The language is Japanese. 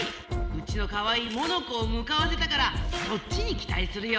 うちのカワイイ「モノコ」をむかわせたからそっちにきたいするよ。